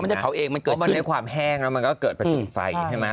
เขาไม่ได้เผาเองมันเกิดขึ้นแล้วมันก็เกิดประจุฝัยใช่มะ